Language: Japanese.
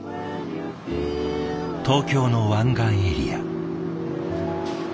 東京の湾岸エリア。